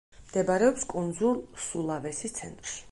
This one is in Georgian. მდებარეობს კუნძულ სულავესის ცენტრში.